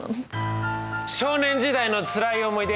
少年時代のつらい思い出